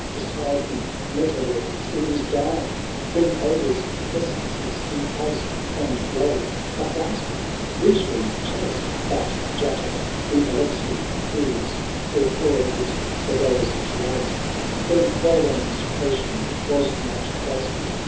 Beside him Metelill seems dying !^ Bring odours— essences in haste— And lo ! a flasket richly chased, — But Jutta the elixir proves Ere pouring it for those she loves Then Walwayn*s potion was not wasted.